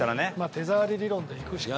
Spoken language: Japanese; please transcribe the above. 手触り理論でいくしかない。